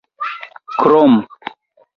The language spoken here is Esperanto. krom